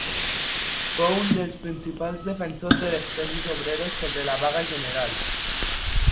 Fou un dels principals defensors de les tesis obreres sobre la vaga general.